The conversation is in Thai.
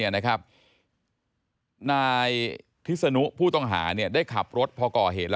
นายธิสนุภูตองหาได้ขับรถพอก่อเหตุ